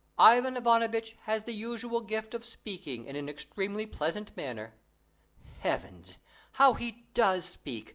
Ivan Ivanovitch has the usual gift of speaking in an extremely pleasant manner. Heavens! How he does speak!